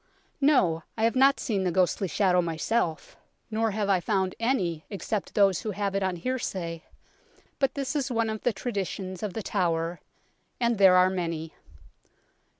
No, I have not seen the ghostly shadow myself, 57 58 UNKNOWN LONDON nor have I found any except those who have it on hearsay, but this is one of the traditions of The Tower ; and there are many.